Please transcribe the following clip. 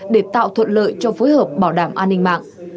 để tạo thuận lợi cho phối hợp bảo đảm an ninh mạng